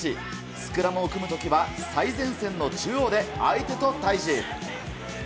スクラムを組むときは、最前線の中央で相手と対じ。